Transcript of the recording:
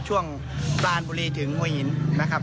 ช่วงปลานบุรีถึงหัวหินนะครับ